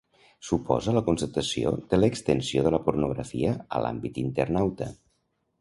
Suposa la constatació de l'extensió de la pornografia a l'àmbit internauta.